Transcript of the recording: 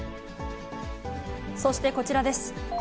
そしてこちらです。